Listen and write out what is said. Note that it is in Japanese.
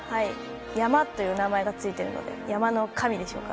山という名前がついているので山の神でしょうか。